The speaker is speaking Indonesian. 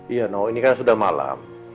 iya no ini kan sudah malam